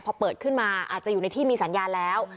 พอเปิดขึ้นมาอาจจะอยู่ในที่มีสัญญาแล้ว